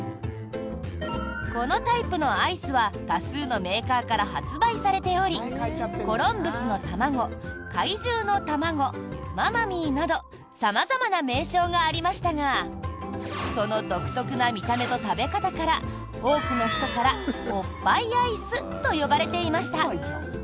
このタイプのアイスは多数のメーカーから発売されておりコロンブスのたまご怪獣の玉子、ママミーなど様々な名称がありましたがその独特な見た目と食べ方から多くの人から、おっぱいアイスと呼ばれていました。